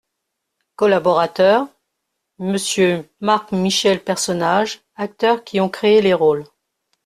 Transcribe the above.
COLLABORATEURS : Monsieur MARC-MICHEL PERSONNAGES Acteurs qui ontcréé les rôles.